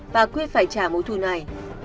và quyết phải trả mối thù này